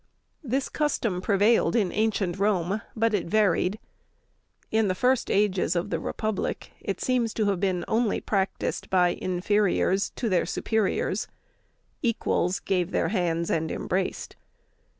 This custom prevailed in ancient Rome, but it varied. In the first ages of the Republic it seems to have been only practiced by inferiors to their superiors; equals gave their hands and embraced.